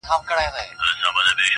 چنګ دي کم رباب دي کم سارنګ دي کم٫